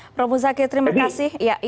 prof zaky terima kasih jadi